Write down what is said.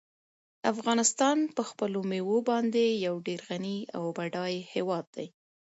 افغانستان په خپلو مېوو باندې یو ډېر غني او بډای هېواد دی.